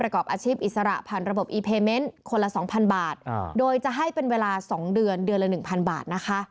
คนละ๒๐๐๐บาทโดยจะให้เป็นเวลา๒เดือนเดือนละ๑๐๐๐บาท